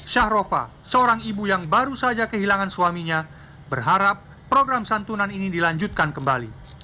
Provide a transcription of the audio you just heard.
syahrofa seorang ibu yang baru saja kehilangan suaminya berharap program santunan ini dilanjutkan kembali